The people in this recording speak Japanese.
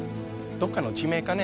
どっかの地名かね